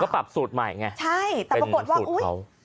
มันก็ปรับสูตรใหม่ไงเป็นสูตรเขาใช่แต่ปรากฏว่าอุ๊ย